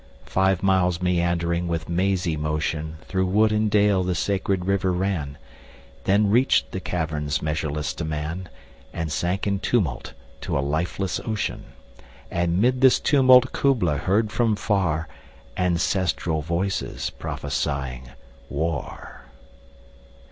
Five miles meandering with a mazy motion 25 Through wood and dale the sacred river ran, Then reach'd the caverns measureless to man, And sank in tumult to a lifeless ocean: And 'mid this tumult Kubla heard from far Ancestral voices prophesying war!